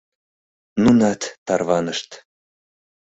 Нунат тарванышт.